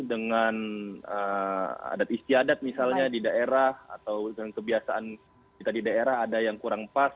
dengan adat istiadat misalnya di daerah atau dengan kebiasaan kita di daerah ada yang kurang pas